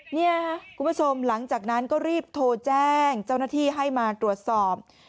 นี่ค่ะคุณผู้ชมหลังจากนั้นก็รีบโทรแจ้งเจ้าหน้าที่ให้มาตรวจสอบ